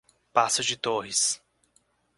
Passo de Torres